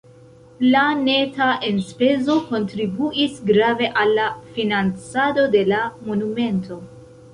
La neta enspezo kontribuis grave al la financado de la monumento.